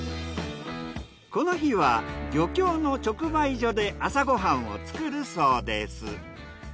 この日は漁協の直売所で朝ご飯を作るそうです。